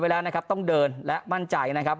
ไว้แล้วนะครับต้องเดินและมั่นใจนะครับ